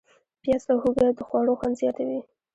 پیاز او هوږه د خوړو خوند زیاتوي.